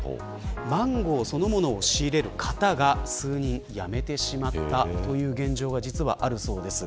マンゴーそのものを仕入れる方が数人やめてしまったという現状があるそうです。